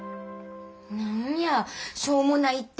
何やしょうもないって！